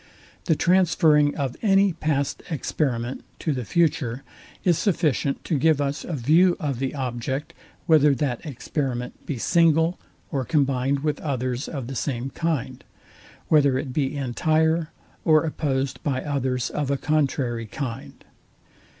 The transferring of any past experiment to the future is sufficient to give us a view of the object; whether that experiment be single or combined with others of the same kind; whether it be entire, or opposed by others of a contrary kind.